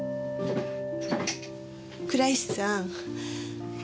倉石さん。